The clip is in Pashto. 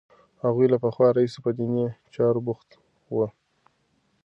هغوی له پخوا راهیسې په دیني چارو بوخت وو.